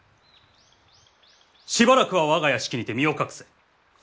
しばらくは我が屋敷にて身を隠せ。